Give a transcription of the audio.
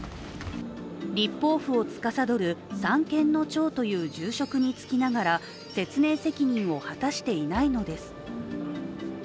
立法府を司る三権の長という重職につきながら説明責任を果たしていないのです。